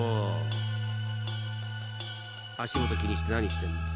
［足元気にして何してんの？］